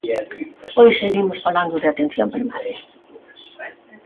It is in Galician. Pois seguimos falando de atención primaria.